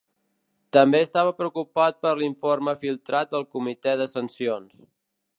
També estava preocupat per l'informe filtrat del Comitè de Sancions.